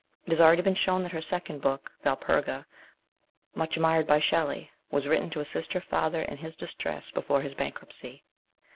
It has already been shown that her second book, Valperga, much admired by Shelley, was written to assist her father in his distress before his bankruptcy.